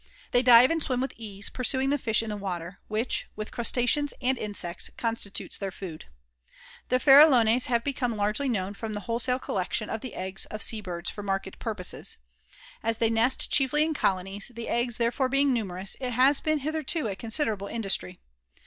They dive and swim with ease, pursuing the fish in the water, which, with crustaceans and insects, constitutes their food. The Farrallones have become largely known from the wholesale collection of the eggs of sea birds for market purposes. As they nest chiefly in colonies, the eggs therefore being numerous, it has been, hitherto, a considerable industry.